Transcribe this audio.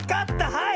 はい！